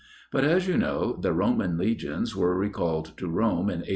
But, as you know, the Roman legions were recalled to Rome in A.